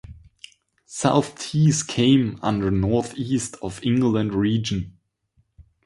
South Tees came under North East of England region.